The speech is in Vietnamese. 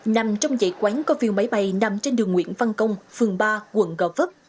nằm trong dãy quán co viêu máy bay nằm trên đường nguyễn văn công phường ba quận gò vấp